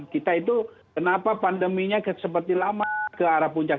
kita itu kenapa pandeminya seperti lama ke arah puncak